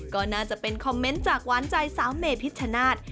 ก็น่าจะเป็นคอมเมนต์จากหวานใจสาวเมพิชชนาธิ์